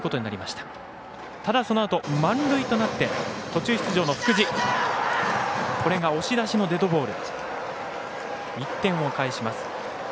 ただ、そのあと満塁となって途中出場の福地これが押し出しのデッドボール。